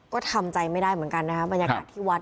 ก็ทำใจไม่ได้เหมือนกันนะครับบรรยากาศที่วัด